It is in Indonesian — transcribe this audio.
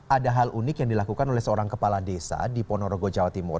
ada hal unik yang dilakukan oleh seorang kepala desa di ponorogo jawa timur